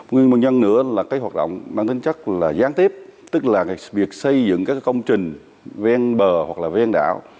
nguyên nhân nữa là cái hoạt động mang tính chất là gián tiếp tức là việc xây dựng các công trình ven bờ hoặc là ven đảo